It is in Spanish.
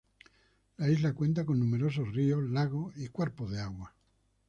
La isla cuenta con numerosos ríos, lagos y cuerpos de agua.